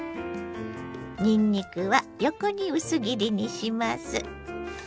にんにくは横に薄切りにします。